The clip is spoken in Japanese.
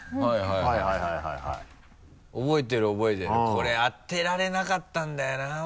これ当てられなかったんだよな。